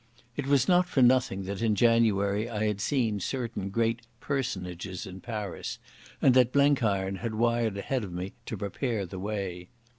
It was not for nothing that in January I had seen certain great personages in Paris, and that Blenkiron had wired ahead of me to prepare the way.